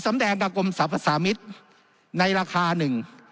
แดงกับกรมสรรพสามิตรในราคาหนึ่ง